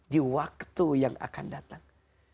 di waktu yang akan datang